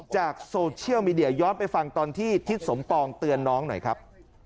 จากโซเชียลมีเดียย้อนไปฟังตอนที่ทิศสมปองเตือนน้องหน่อยครับ